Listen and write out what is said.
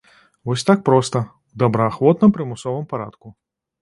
Вось так проста, у добраахвотна-прымусовым парадку.